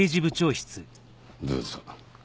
どうぞ。